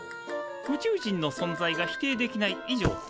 宇宙人の存在が否定できない以上ＵＦＯ